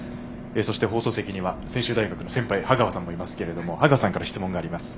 そして、放送席には専修大学の先輩羽川さんもいますが羽川さんから質問があります。